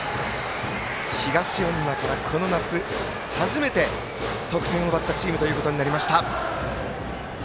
東恩納から、この夏、初めて得点を奪ったチームとなりました。